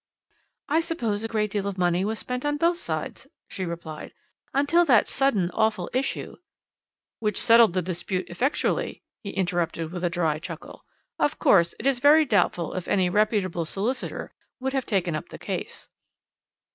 "I suppose a great deal of money was spent on both sides," she replied, "until that sudden, awful issue " "Which settled the dispute effectually," he interrupted with a dry chuckle. "Of course, it is very doubtful if any reputable solicitor would have taken up the case.